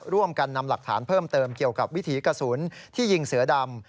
ร่วมกันนำหลักฐานเพิ่มเติมเกี่ยวกับวิถีกระสุนที่ยิงเสือดำ